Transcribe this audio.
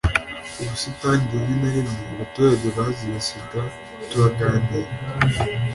ubusitani rimwe na rimwe; abaturage bazize sida turaganira